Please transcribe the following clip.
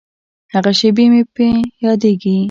هغه شېبې مې په یادیږي.